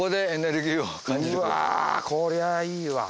うわー！こりゃいいわ！